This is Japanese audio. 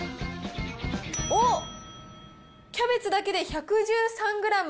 おっ、キャベツだけで１１３グラム。